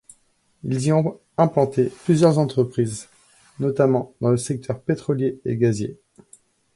Ils y ont implanté plusieurs entreprises, notamment dans le secteur pétrolier et gazier.